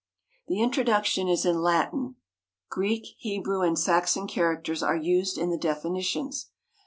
The introduction is in Latin. Greek, Hebrew, and Saxon characters are used in the definitions.